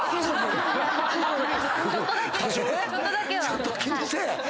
ちょっと気にせえ。